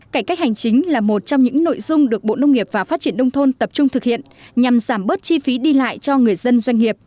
cải cách hành chính là một trong những nội dung được bộ nông nghiệp và phát triển nông thôn tập trung thực hiện nhằm giảm bớt chi phí đi lại cho người dân doanh nghiệp